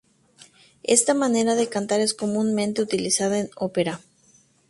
Esta manera de cantar es comúnmente utilizada en ópera.